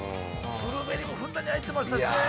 ◆ブルーベリーもふんだんに入ってましたしね。